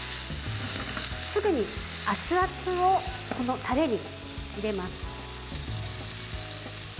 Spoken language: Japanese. すぐに熱々をタレに入れます。